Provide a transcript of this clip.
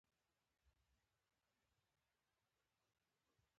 غریب ته د ماشوم موسکا ژوند دی